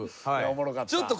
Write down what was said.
おもろかった。